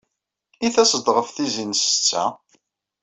I tased-d ɣef tizi n ssetta?